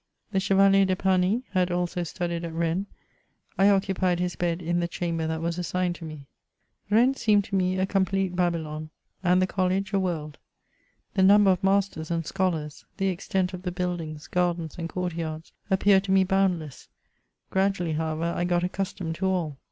The ChevaHer de Pamy had also studied at Rennes ; I occupied his bed in the chamber that was assigned to me. Rennes seemed to me a complete Babylon, and the College a world. The number of masters and scholars, the extent of the buildings, gardens, and court yards appeared to me bound less ; gradually, however, I got accustomed to all.